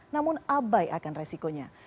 namun abai akan resikonya